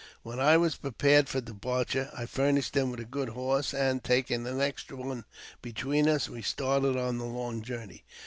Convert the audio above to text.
When I was prepared for departure, I furnished him with a. good horse, and, taking an extra one between us, we started on the long journey.